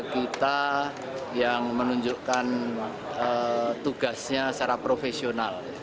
kita yang menunjukkan tugasnya secara profesional